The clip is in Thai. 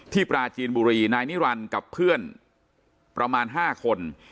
ปราจีนบุรีนายนิรันดิ์กับเพื่อนประมาณ๕คน